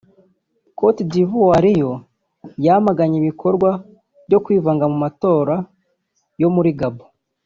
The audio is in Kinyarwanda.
Côte d’Ivoire yo yamaganye ibikorwa byo kwivanga mu matora yo muri Gabon